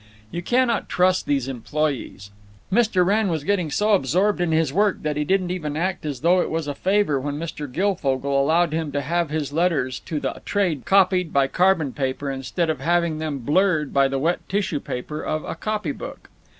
You cannot trust these employees. Mr. Wrenn was getting so absorbed in his work that he didn't even act as though it was a favor when Mr. Guilfogle allowed him to have his letters to the trade copied by carbon paper instead of having them blurred by the wet tissue paper of a copy book.